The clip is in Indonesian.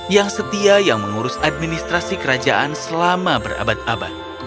yang setia yang mengurus administrasi kerajaan selama berabad abad